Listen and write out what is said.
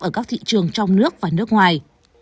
ở các thị trường trong nước và nước ngoài